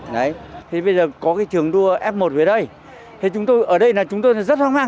bây giờ có trường đua f một về đây chúng tôi rất hoang mang